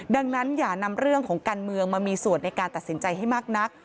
ดังนั้นอย่านำเรื่องของการเมืองมามีส่วนในการตัดสินใจให้มากนัก